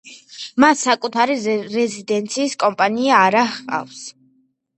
მას საკუთარი რეზიდენტი კომპანია არა ჰყავს.